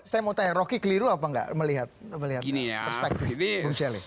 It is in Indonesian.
saya mau tanya rocky keliru apa enggak melihat perspektif bung celi